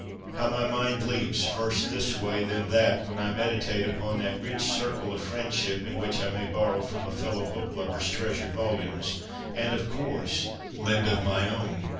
How my mind leaps, first this way, then that, when I meditate upon that rich circle of friendship in which I may borrow from a fellow book lover's 8> F 82 CONFESSIONS OF A BOOK LOVER treasured volumes, and, of course, lend of my own